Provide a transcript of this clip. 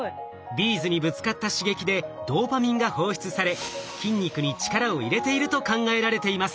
ビーズにぶつかった刺激でドーパミンが放出され筋肉に力を入れていると考えられています。